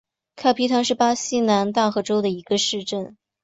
卡皮唐是巴西南大河州的一个市镇。